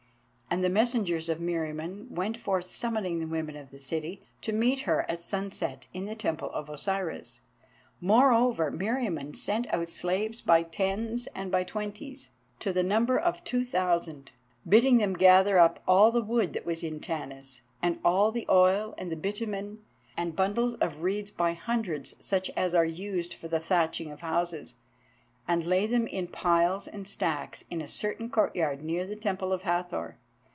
And the messengers of Meriamun went forth summoning the women of the city to meet her at sunset in the Temple of Osiris. Moreover, Meriamun sent out slaves by tens and by twenties to the number of two thousand, bidding them gather up all the wood that was in Tanis, and all the oil and the bitumen, and bundles of reeds by hundreds such as are used for the thatching of houses, and lay them in piles and stacks in a certain courtyard near the Temple of Hathor.